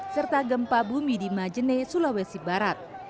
serta gempa bumi di majene sulawesi barat